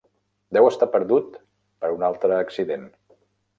Deu estar perdut per un altre accident.